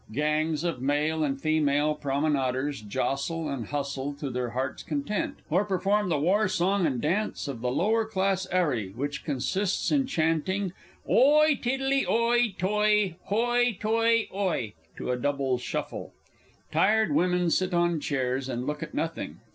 Gangs of Male and Female Promenaders jostle and hustle to their hearts' content, or perform the war song and dance of the Lower class 'Arry, which consists in chanting "Oi tiddly oi toi; hoi toi oi!" to a double shuffle. Tired women sit on chairs and look at nothing.